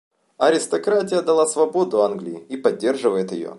Аристократия дала свободу Англии и поддерживает ее.